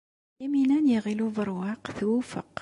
Yamina n Yiɣil Ubeṛwaq twufeq.